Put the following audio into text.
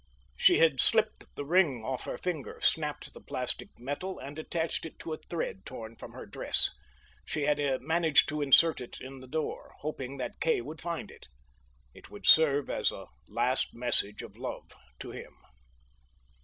She had slipped the ring off her finger, snapped the plastic metal, and attached it to a thread torn from her dress. She had managed to insert it in the door, hoping that Kay would find it. It would serve as a last message of love to him.